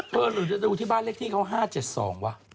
หรือจะดูที่บ้านเลขที่เขา๕๗๒วะ